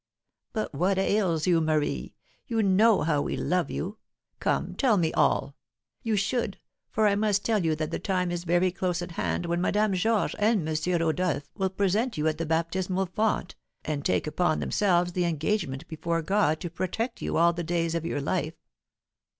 "But what ails you, Marie? You know how we love you! Come, tell me all. You should; for I must tell you that the time is very close at hand when Madame Georges and M. Rodolph will present you at the baptismal font, and take upon themselves the engagement before God to protect you all the days of your life."